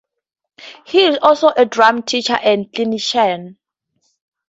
He is also a drum teacher and clinician.